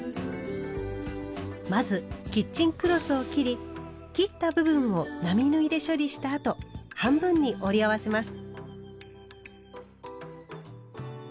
まずキッチンクロスを切り切った部分を並縫いで処理したあと半分に折り合わせます。